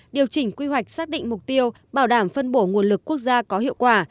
điều chỉnh quy hoạch xác định mục tiêu bảo đảm phân bổ nguồn lực quốc gia có hiệu quả